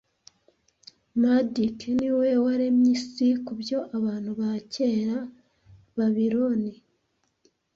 Marduk niwe waremye isi kubyo abantu ba kera Babiloni